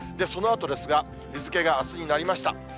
そのあとですが、日付があすになりました。